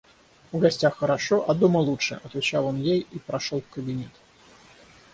В гостях хорошо, а дома лучше, — отвечал он ей и прошел в кабинет.